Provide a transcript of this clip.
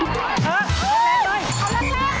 พร้อมครับ